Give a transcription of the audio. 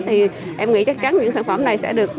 thì em nghĩ chắc chắn những sản phẩm này sẽ được